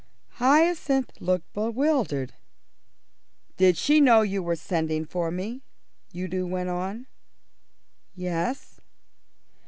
Hyacinth looked bewildered. "Did she know you were sending for me?" Udo went on. "Yes."